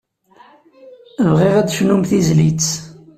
Bɣiɣ ad d-tecnum tizlit.